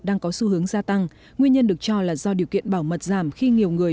đang có xu hướng gia tăng nguyên nhân được cho là do điều kiện bảo mật giảm khi nhiều người